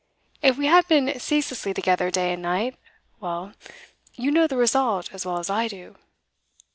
If we had been ceaselessly together day and night well, you know the result as well as I do.